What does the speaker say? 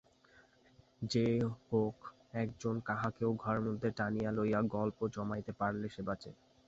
যে হোক একজন কাহাকেও ঘরের মধ্যে টানিয়া লইয়া গল্প জমাইতে পারিলে সে বাঁচে।